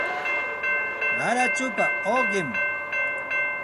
Qarachupa uqim